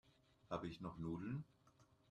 Habe ich noch Nudeln?